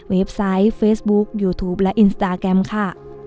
ไซต์เฟซบุ๊คยูทูปและอินสตาแกรมค่ะ